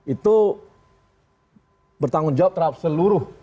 itu bertanggung jawab terhadap seluruh